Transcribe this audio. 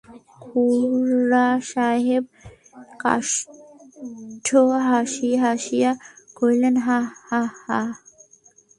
খুড়াসাহেব কাষ্ঠহাসি হাসিয়া কহিলেন, হা হা হা!